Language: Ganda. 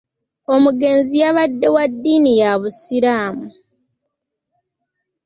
Omugenzi yabadde wa dddiini ya busiraamu.